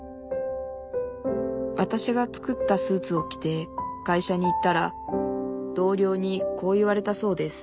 わたしが作ったスーツを着て会社に行ったら同僚にこう言われたそうです